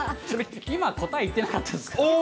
今、答え言ってなかったですおー！